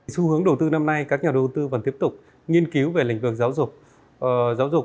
xu hướng đầu tư năm nay các nhà đầu tư vẫn tiếp tục nghiên cứu về lĩnh vực giáo dục